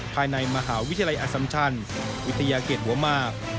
ภายในมหาวิทยาลัยอสัมชันวิทยาเกตหัวมาก